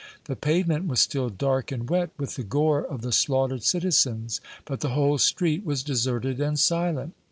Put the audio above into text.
The pavement was still dark and wet with the gore of the slaughtered citizens, but the whole street was deserted and silent.